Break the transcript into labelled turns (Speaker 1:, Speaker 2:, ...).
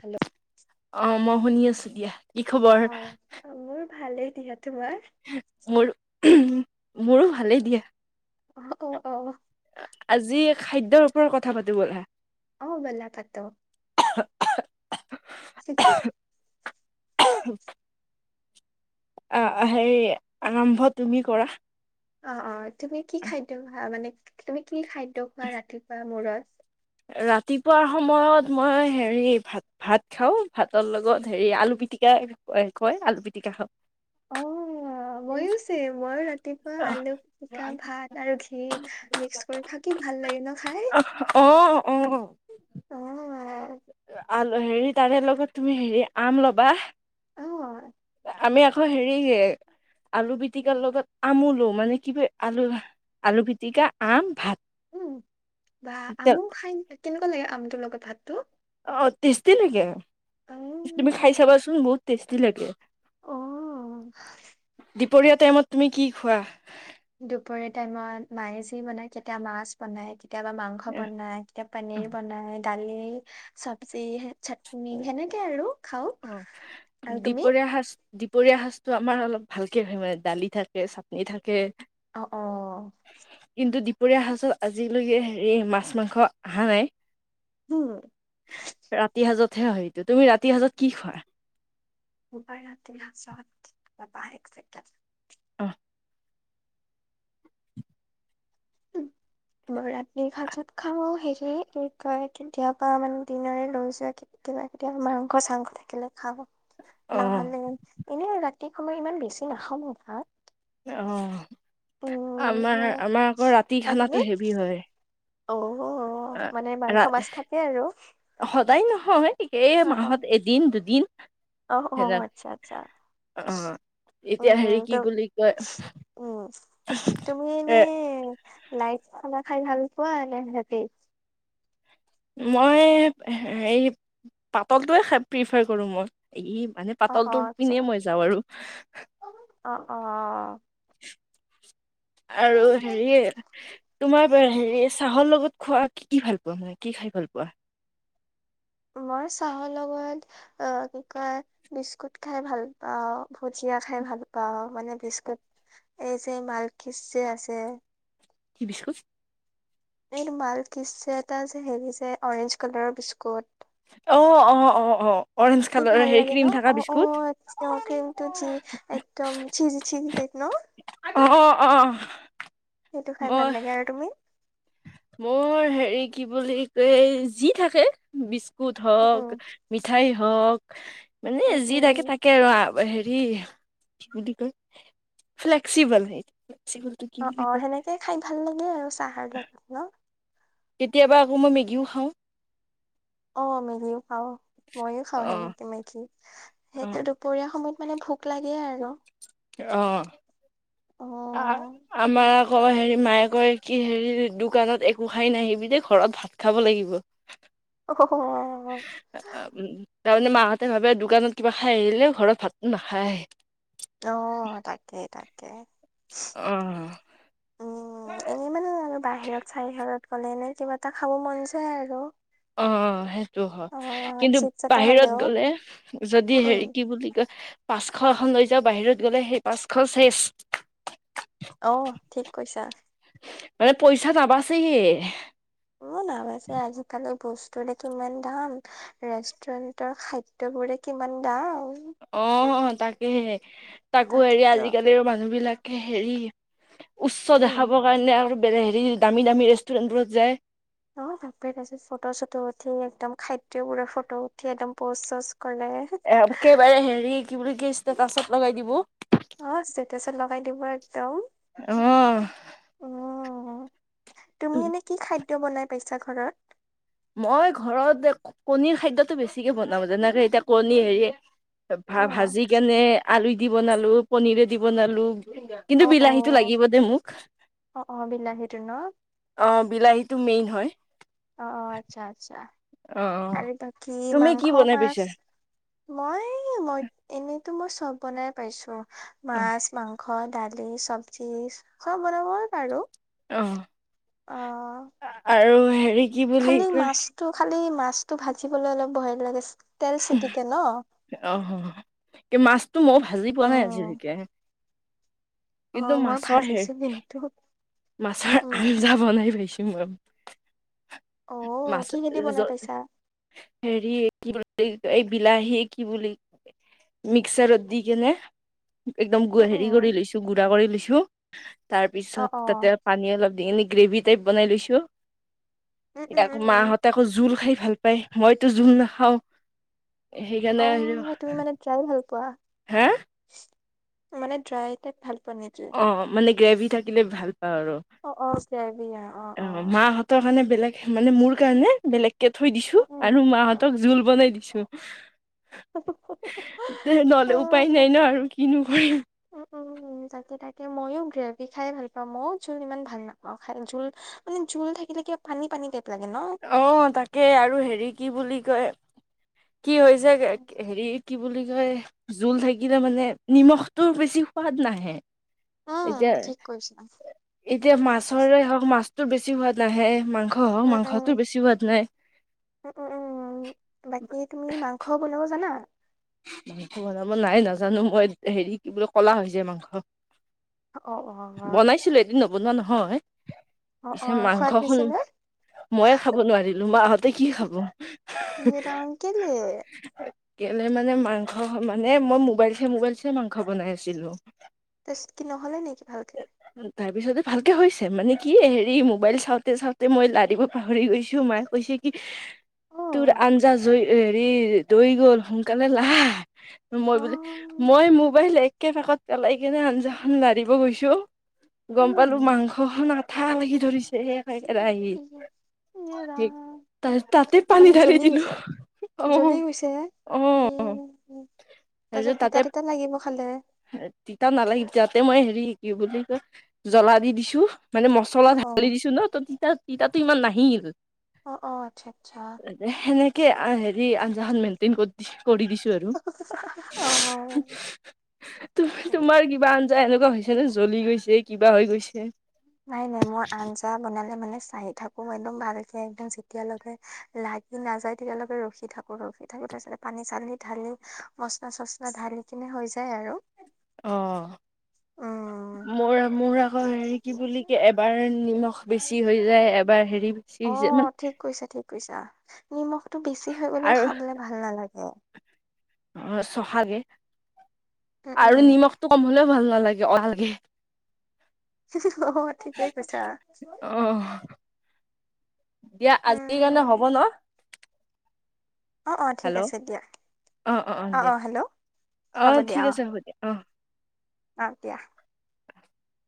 Speaker 1: Hello
Speaker 2: অ', মই শুনি আছোঁ দিয়া। কি খবৰ?
Speaker 1: অ মোৰ ভালেই দিয়া। তোমাৰ?
Speaker 2: মোৰ মোৰো ভালেই দিয়া।
Speaker 1: অ, অ, অ।
Speaker 2: আজি খাদ্যৰ ওপৰত কথা পাতো বলা।
Speaker 1: অ, ব'লা পাতো।
Speaker 2: [inaudible] অ, হেৰি, আৰম্ভ তুমি কৰা।
Speaker 1: অ, অ, তুমি কি খাদ্য ভা মানে তুমি কি খাদ্য খোৱা ৰাতিপুৱা ময়ত? [inaudible]
Speaker 2: ৰাতিপুৱাৰ সময়ত মই হেৰি, ভাত ভাত খাওঁ, ভাতৰ লগত হেৰি আলু পিটিকা কয়, আলু পিটিকা খাওঁ।
Speaker 1: অ', ময়ো চে'ম, মই ৰাতিপুৱা আলু পিটিকা ভাত আৰু ঘিঁ মিক্স কৰি খাওঁ, কি ভাল লাগে ন খায়?
Speaker 2: অ', অ। আল হেৰি তাৰে লগত তুমি হেৰি আম ল'বা
Speaker 1: অ'
Speaker 2: আমি আকৌ হেৰি আলু পিটিকাৰ লগত আমো লওঁ মানে কি আলু আলু পিটিকা আম ভাত।
Speaker 1: উম বা আমুও খাই কেনেকুৱা লাগে আমটোৰ লগত ভাতটো?
Speaker 2: অ টেষ্টি লাগে। তুমি খাই
Speaker 1: উম
Speaker 2: চাবাচোন বহুত টষ্ট জিলেকে। দ
Speaker 1: অ
Speaker 2: দুপৰীয়াাৰ টাইমত তুমি কি খোৱা?
Speaker 1: দুপৰীয়া টাইমত মায়ে যি বনাই কেতিয়া মাছ বনাই কেতিয়াবা মাংস বনাই কেতিয়াবা পনীৰ বনাই দালি চব্জি চাটনি সেনেকে আৰু খাও
Speaker 2: অ
Speaker 1: আৰু তুমি
Speaker 2: দীপৰীয়া শাজ দপৰীয়া সাজটো আমাৰ অলপ ভালকে হয় মানে দালি থাকে চাটনি থাকে
Speaker 1: অ অ।
Speaker 2: কিন্তু দুপৰীয়া সাজত আজিলৈকে হেৰি মাছ মাংস অহা নাই।
Speaker 1: উম।
Speaker 2: হয়েইটো তুমি ৰাতি সাঁজত। কি খোৱা?
Speaker 1: বাই ৰাতিছাবা এককে।
Speaker 2: আহ।
Speaker 1: মই ৰাতিৰ সাঁজত খাওঁ সে কি কয় কেতিয়াবা মান দিনৰে লৈ যোৱা কেতিয়াবা কেতিয়াবা মাংস চাংস থাকিলে খাওঁ।
Speaker 2: অ
Speaker 1: নহলে এনেই ৰাত কেই সময় ইমান বেছি নাখাও মই ভাত।
Speaker 2: অ।
Speaker 1: উম
Speaker 2: আমাৰ
Speaker 1: উম,
Speaker 2: আমাৰ আকৌ ৰাতি
Speaker 1: আৰু তুমি
Speaker 2: খানাটো হেভি হয়।
Speaker 1: অ। মানে
Speaker 2: অ
Speaker 1: মাংস
Speaker 2: ৰা
Speaker 1: মাছ থাকে আৰু
Speaker 2: সদায় নহয়েই
Speaker 1: অ অ
Speaker 2: মাহত এদিন দুদিন।
Speaker 1: অ অ
Speaker 2: সেনা
Speaker 1: আচ্ছা আচ্ছা
Speaker 2: অ এতিয়া
Speaker 1: উম
Speaker 2: হেৰি
Speaker 1: ত
Speaker 2: কি বুলি কয়
Speaker 1: উম তুমি নে
Speaker 2: এ
Speaker 1: লাইট খানা খাই ভাল পোৱা হেভি?
Speaker 2: মই এই সেইপ পাতলটোৱে খাই প্ৰিফাৰ কৰো মই। ই মানে
Speaker 1: অ অ
Speaker 2: পাতলটো
Speaker 1: আচ্ছা
Speaker 2: পিনে মই যাওঁ আৰু।
Speaker 1: অ অ।
Speaker 2: [inaudible] আৰু হেৰিয়ে তোমাৰ হেৰি চাহৰ লগত খোৱা কি ভাল পোৱা মান কি খাই ভাল পোৱা?
Speaker 1: মই চাহৰ লগত কি কয় বিস্কুট খাই ভাল পাওঁ, ভুটিয়া খাই ভাল পাওঁ, মানে বিস্কুট এই যে মালকিচ যে আছে।
Speaker 2: কি বিস্কুট?
Speaker 1: এইটো মাল কিছে এটা যে হেৰি যে অৰেঞ্জ কালাৰৰ বিস্কুট।
Speaker 2: অ অ অ অ। অৰেঞ্জ
Speaker 1: কি
Speaker 2: কালাৰ
Speaker 1: ভাল
Speaker 2: হেৰি
Speaker 1: লাগে ন
Speaker 2: ক্ৰীম থকা
Speaker 1: অ অ
Speaker 2: বিস্কুট।
Speaker 1: অ ক্ৰমটো জি একদম চিজি চিজি টাইপ ন?
Speaker 2: অঁ অঁ অঁ
Speaker 1: সেইটো খাই ভাল লাগে আৰু তুমি?
Speaker 2: মোৰ হেৰি কি বুলি ক যি থাকে বিচ কুট
Speaker 1: উম।
Speaker 2: হওক মিঠাই হওক মানে
Speaker 1: উম,
Speaker 2: যি
Speaker 1: উম,
Speaker 2: থাকে থাকে আৰু হেৰি [unintelligible] ফ্লেকসিবল।
Speaker 1: অ অ সেনেকে খাই ভাল লাগে আৰু চাহৰ লগত। ন
Speaker 2: কেতিয়াবা আকৌ মই মেগীও খাওঁ।
Speaker 1: অ মেগিও খাও ময়ো খাওঁ
Speaker 2: অ'।
Speaker 1: সেনেকে মেগী।
Speaker 2: অ
Speaker 1: সেইটো দুপৰীয়া সময়ত মানে ভোক লাগে আৰু।
Speaker 2: অ
Speaker 1: অ'।
Speaker 2: আমাৰ আকৌ হেৰি মায়ে কয় কি হেৰি দোকানত একো খাই নাহিবি দেই ঘৰত ভাত খাব লাগিব।
Speaker 1: অ হ হ
Speaker 2: উম তাৰমানে মাহঁতে ভাবে দোকানত কিবা খাই আহিলেও ঘৰত ভাত নাখায়
Speaker 1: অ তাকেই তাক কে
Speaker 2: অ
Speaker 1: উম, এনেই মানে আৰু বাহিৰত চাহিৰত গলে এনে কিবা এটা খাব মন যায় আৰু।
Speaker 2: অ সেই টো হয়
Speaker 1: অ',
Speaker 2: কিন্তু
Speaker 1: চিপছ এটা
Speaker 2: বাহিৰত
Speaker 1: হ'লেও,
Speaker 2: গলে যদি
Speaker 1: উম, উম,
Speaker 2: হেৰি কি বুলি কয় পাঁচশ এখন লৈ যাওঁ বাহিৰত গ'লে সেই পাঁচশ চেছ
Speaker 1: অহ ঠিক কৈছা।
Speaker 2: মানে পইচা নাবাচেই
Speaker 1: মো নাবাইছে আজিকালি বস্তুৰে কিমান দাম, ৰেষ্টুৰেন্টৰ খাদ্যবোৰ কিমান দাম,
Speaker 2: অ তাকেহে তাকো হেৰি
Speaker 1: তাকেতো
Speaker 2: আজিকালিৰ মানুহ বিলাক হেৰি উচ্চ
Speaker 1: উম
Speaker 2: দেখাবৰ কাৰণে আৰু হেৰি দামী দামী ৰেষ্টুৰেণ্ট বোৰত যায়।
Speaker 1: অ, তে তত ফটো চটো উঠি একদম খাদ্যবোৰৰ ফটো উঠি একদম পজ চচ
Speaker 2: এ কেইবাৰে হেৰি কি বুলি কেইছ ষ্টেটাছত লগাই দিব।
Speaker 1: হা ষ্টেটাছত লগাই দিব আৰ
Speaker 2: অহ।
Speaker 1: অ। তুমি এনে কি খাদ্য বনাই পাইচা ঘৰত?
Speaker 2: মই ঘৰত কণীৰ খাদ্যটো বেছিকে বনাওঁ যেনেকে এতিয়া কণী সেইয়ে ভা
Speaker 1: অ
Speaker 2: ভাজি কেনে আলু ইট দি বনালো, পনীৰে দি বনালো কিন্তু
Speaker 1: অ অ
Speaker 2: বিলাহীটো লাগিব দে মোক।
Speaker 1: অ অ বিলাহীটো ন
Speaker 2: অ বিলাহীটো মেইন হয়।
Speaker 1: অ আচ্ছা আচ্ছা। আৰু বাকী
Speaker 2: তুমি
Speaker 1: মাংস
Speaker 2: কি বনাই
Speaker 1: মাছ
Speaker 2: পিছে
Speaker 1: মই মই এনে তো মই চব বনাই পাইছো।
Speaker 2: অ
Speaker 1: মাছ মাং হয় দালি চব্জি হয় বনাবই পাৰো।
Speaker 2: অহ
Speaker 1: অ
Speaker 2: আৰু- হেৰি কি বুলি
Speaker 1: খালি
Speaker 2: কয়
Speaker 1: মাছটো খালি মাছ মাছটো ভাজিবলে অলপ ভয় লাগে। তেল চিটিকে ন
Speaker 2: অহ মাছটো মইও ভাজি পোৱা নাই
Speaker 1: উম
Speaker 2: আজিলেকে।
Speaker 1: অ মই ভাজিছো
Speaker 2: হেৰি
Speaker 1: কিন্তু।
Speaker 2: মাছৰ
Speaker 1: উম
Speaker 2: আঞ্জা বনাই পাইছো মই।
Speaker 1: অ
Speaker 2: মাছ
Speaker 1: কি খেদি
Speaker 2: জ
Speaker 1: বনাই পাইছা
Speaker 2: হেৰি কি [unintelligible] এই বিলাহী কি বুলি মিক্সাৰত দি গিনে। একদম
Speaker 1: উম
Speaker 2: হেৰি
Speaker 1: উম
Speaker 2: কৰি লৈছো গুড়া কৰি লৈছো। [unintelligible]
Speaker 1: অ
Speaker 2: তাৰপিছত
Speaker 1: অ
Speaker 2: তাতে পানী অলপ দি নিক গ্ৰেভি টাইপ বনাই লৈছো।
Speaker 1: উম উম
Speaker 2: এতিয়া আকৌ
Speaker 1: উম
Speaker 2: মাহঁতে আকৌ জোল খায় ভাল পাই মইতো জোল নাখাও। সেইকাৰনে আৰু -
Speaker 1: বাহ। মানে ড্ৰাইটাইপ ভাল। পোৱা
Speaker 2: অ মানে গ্ৰেভি থাকিলে ভাল। পাওঁ আৰু
Speaker 1: অ-অ গ্ৰেভী অহ
Speaker 2: অ
Speaker 1: অ-অ-অ,
Speaker 2: মাহঁতৰ কাৰণে বেলেগ মানে মোৰ কাৰণে বেলেগ। থৈ
Speaker 1: অ
Speaker 2: দিছো
Speaker 1: উম
Speaker 2: আৰু মাহঁতক জোল বনাই দিছো। নহলে, উপায়
Speaker 1: উম অ
Speaker 2: নাই ন আৰু কিনো কৰিম।
Speaker 1: মইও গ্ৰেভি খাই ভাল পাওঁ, মইও জোল ইমান ভাল নাপাওঁ খাই জোল মানে জোল থাকিলে কিয় পানী-পানী টাইপ। লাগে ন
Speaker 2: অ তাকে আৰু হেৰি কি বুলি কয়? কি হৈছে হেৰিত? কি বুলি কয়, জোল থাকিলে মানে নিমখটো বেছি সোৱাদ নাহে।
Speaker 1: উম ঠিক কৈছা
Speaker 2: এতিয়া-এতিয়া মাছৰে হওক মাছ বেছি সোৱাদ নাহে মাংস। অহ'
Speaker 1: উম উম
Speaker 2: মাংসটো বেছি সোৱাদ নাই।
Speaker 1: উম উম উম বাকী তুমি মাংস বনাব জানা।
Speaker 2: মাংস বনাব নাই নাজানো মই, হেৰি কি বুলি ক'লা হৈ যায় মাংস।
Speaker 1: অ'-অ' অহ।
Speaker 2: বনোৱা নহয়। পিছে মাংস
Speaker 1: সোৱাদ
Speaker 2: খন
Speaker 1: হৈছে নে
Speaker 2: ময়ে খাব নোৱাৰিলো মাহঁতে কি খাব।
Speaker 1: ই ৰাম কেলে
Speaker 2: গেপ মানে মাংস মানে মই মোবাইল চাই, মোবাইল চাই মাংস বনাই আছিলো।
Speaker 1: তাৰপিছত কি ন'হলে নেকি ভালকে?
Speaker 2: তাৰ পিছতে ভালকে হৈছে মানে কি হেৰি মোবাইল চাওঁতে চাওঁতে মই লাই দিব পাহৰি গৈছো, মায়ে কৈছে কি
Speaker 1: অ
Speaker 2: তোৰ আঞ্জা জৈ হেৰি দৈ গ'ল হেনো। কেনে নাই। মই
Speaker 1: অ
Speaker 2: বোলে, মই মোবাইল এক একে পাকত পেলাই কিনে আঞ্জাখন লাৰিব গৈছো, গম পালো
Speaker 1: উম
Speaker 2: মাংস খন আঠা লাগি ধৰিছে একে।
Speaker 1: এ ৰাম
Speaker 2: তা তাতে পানী
Speaker 1: মানে
Speaker 2: ঢালি
Speaker 1: জ্বলি
Speaker 2: দিলো
Speaker 1: গৈছে,
Speaker 2: অ
Speaker 1: জ্বলি গৈছে।
Speaker 2: অ'
Speaker 1: ই তাৰপিছত
Speaker 2: তাৰপিছত
Speaker 1: তিতা
Speaker 2: তাতে
Speaker 1: তিতা লাগিব খালে
Speaker 2: তিতা নালাগে তাতে মই হেৰি। কি-কি বুলি কয়, জ্বলা দি দিছো। মানে মছলা
Speaker 1: অ অ
Speaker 2: ঢালি দিছো ন, ত তিতা তিতাতো ইমান নাহিল।
Speaker 1: অ', অ', আচ্ছা, আচ্ছা।
Speaker 2: কি [unintelligible] ই আঞ্জা খন মেন্তেইন কৰি [inaudible] কৰি দিছো আৰু।
Speaker 1: অ',
Speaker 2: তুম, তোমাৰ কিবা যে এনেকুৱা হৈছে নে, জ্বলি গৈছে, কিবা হৈ গৈছে
Speaker 1: নাই নাই মই আঞ্জা বনালে মানে চাই থাকো একদম ভালকে, একদম যেতিয়ালৈকে লাগি নাযায় তেতিয়ালৈকে ৰখি থাকো, ৰখি থাকো তাৰিছতে পানী চানি ঢালি মচলা-চচলা ঢালি কিনে হৈ যায় আৰু।
Speaker 2: অ',
Speaker 1: উম
Speaker 2: মোৰ, মোৰ আকৌ হেৰি কি বুলি এবাৰ নিমখ বেছি হৈ যায়, এবাৰ হেৰি বেছি হৈ যায় মানে
Speaker 1: নিমখ টো বেছি হৈ গ'লেও খাবলে ভাল নালাগে। উম
Speaker 2: [inaudible]
Speaker 1: উম
Speaker 2: আৰু নিমখটো কম হ'লেও ভাল নালাগে। [inaudible]
Speaker 1: নহয়, ঠিকেই কৈছা।
Speaker 2: অ। দিয়া আজিৰ কাৰণে হ'ব
Speaker 1: উম
Speaker 2: ন?
Speaker 1: অ', অ', ঠিক
Speaker 2: হেল্ল',
Speaker 1: আছে দিয়া
Speaker 2: অ, অ, অ দিয়া।
Speaker 1: হ'ব
Speaker 2: অ',
Speaker 1: দিয়া
Speaker 2: ঠিক আছে হ'ব দিয়া, অ।
Speaker 1: অ' দিয়া।
Speaker 2: [inaudible]